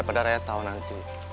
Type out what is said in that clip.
raya pada raya tahu nanti